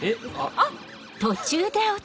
あっ！